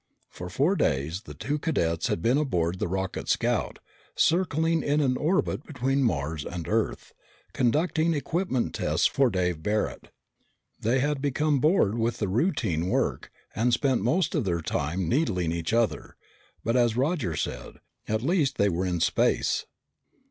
For four days the two cadets had been aboard the rocket scout, circling in an orbit between Mars and Earth, conducting equipment tests for Dave Barret. They had become bored with the routine work and spent most of their time needling each other, but as Roger said, at least they were in space.